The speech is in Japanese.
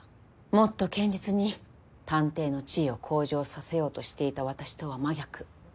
もっと堅実に探偵の地位を向上させようとしていた私とは真逆。